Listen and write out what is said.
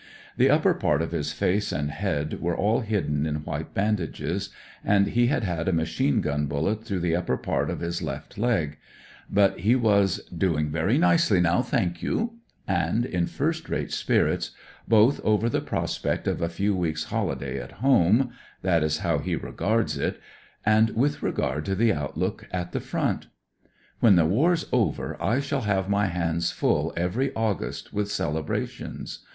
The upper part of his face and head were all hidden in white bandages, and he had had a machine gun bullet through the upper part of his left leg; but he was — "Doing very nicely now, thank you," and in first rate spirits, both over the prospect of a few weeks' holiday at home — that is how he regards 132 AUSTRALIAN AS A FIGHTER 188 it — and with regard to the outlook at the front. " When the war's over I shall have my hands full every August with celebrations.